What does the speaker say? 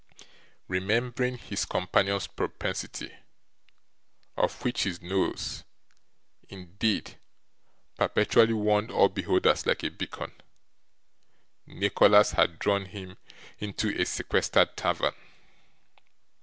Remembering his companion's propensity, of which his nose, indeed, perpetually warned all beholders like a beacon, Nicholas had drawn him into a sequestered tavern.